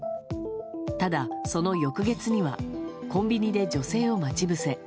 ただ、その翌月にはコンビニで女性を待ち伏せ。